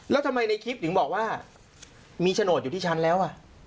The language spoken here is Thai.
แล้วทำไมในคลิปถึงบอกว่ามีโฉนดอยู่ที่ชั้นแล้ว